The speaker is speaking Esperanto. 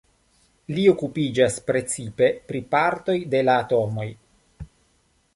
Li okupiĝas precipe pri partoj de la atomoj.